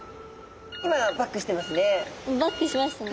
今バックしてますね。